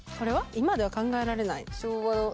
「今では考えられない」「昭和の」